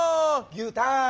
牛ターン！